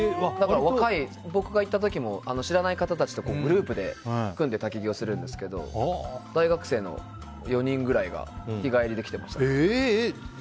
僕が行った時も知らない方たちとグループで組んで、滝行するんですけど大学生の４人ぐらいが日帰りで来ていました。